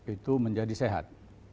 itu menjadi sehat